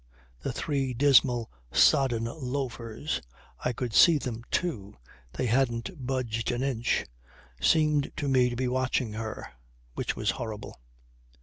The three dismal, sodden loafers (I could see them too; they hadn't budged an inch) seemed to me to be watching her. Which was horrible.